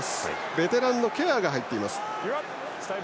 ベテランのケアーが入っています。